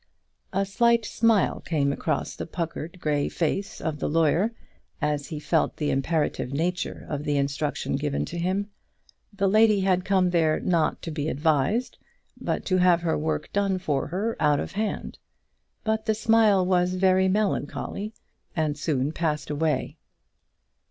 A slight smile came across the puckered grey face of the lawyer as he felt the imperative nature of the instruction given to him. The lady had come there not to be advised, but to have her work done for her out of hand. But the smile was very melancholy, and soon passed away.